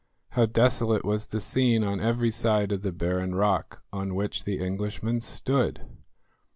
How desolate was the scene on every side of the barren rock on which the Englishmen stood!